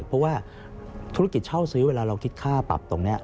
เพราะว่าธุรกิจเช่าซื้อเวลาเราคิดค่าปรับตรงนี้